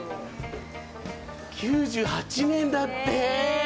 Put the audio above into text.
９８年だって。